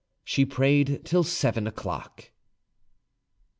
She prayed till seven o'clock.